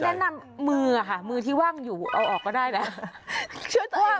เดี๋ยวฉันแนะนำมือค่ะมือที่ว่างอยู่เอาออกก็ได้แหละ